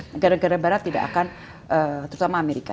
negara negara barat tidak akan terutama amerika